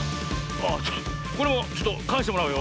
あっこれもちょっとかえしてもらうよ。